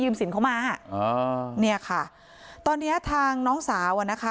สินเขามาอ่าเนี่ยค่ะตอนเนี้ยทางน้องสาวอ่ะนะคะ